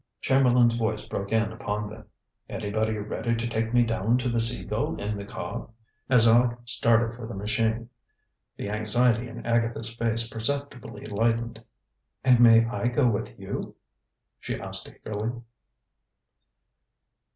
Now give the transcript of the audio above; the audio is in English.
Chamberlain's voice broke in upon them. "Anybody ready to take me down to the Sea Gull in the car?" As Aleck started for the machine, the anxiety in Agatha's face perceptibly lightened. "And may I go with you?" she asked eagerly.